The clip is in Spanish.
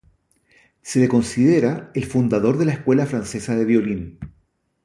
Se le considera el fundador de la escuela francesa de violín.